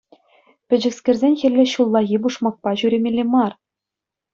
Пӗчӗкскерсен хӗлле ҫуллахи пушмакпа ҫӳремелле мар!